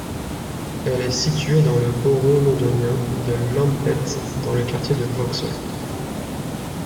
Elle est située dans le borough londonien de Lambeth, dans le quartier de Vauxhall.